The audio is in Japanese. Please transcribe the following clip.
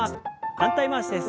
反対回しです。